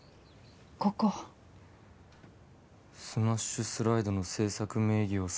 ここ「「スマッシュスライド」の制作名義を」